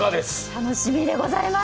楽しみでございます。